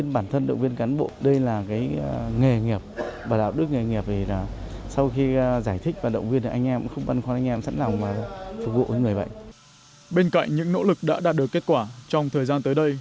bên cạnh những nỗ lực đã đạt được kết quả trong thời gian tới đây